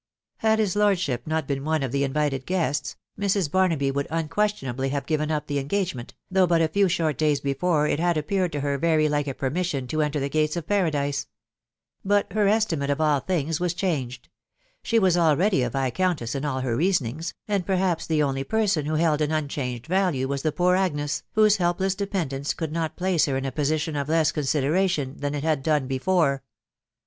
Had his lordship Dot been one of the invited guests, Mrs. Barnaby would unquo. tionably have given up the engagement, though but a few short days before it had appeared to her very like a permission to enter the gates of paradise ; but her estimate of all things urn changed ; she was already a viscountess in all her reasonings and perhaps the only person who held an unchanged value wis the poor Agnes, whose helpless dependence could not place her in a position of less consideration than it had done before.